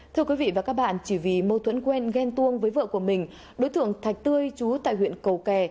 thưa quý vị và các bạn chỉ vì mâu thuẫn quen ghen tuông với vợ của mình đối tượng thạch tươi chú tại huyện cầu kè